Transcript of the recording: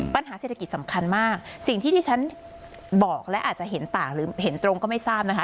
ปัญหาเศรษฐกิจสำคัญมากสิ่งที่ที่ฉันบอกและอาจจะเห็นต่างหรือเห็นตรงก็ไม่ทราบนะคะ